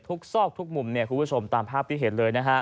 ทุกซอกทุกมุมคุณผู้ชมตามภาพพิเศษเลย